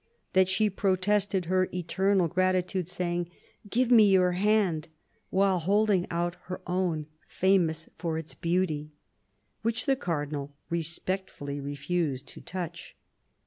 that she protested her eternal gratitude, saying, "Give me your hand," while holding out her own, famous for its beauty ; which the Cardinal respectfully refused to touch.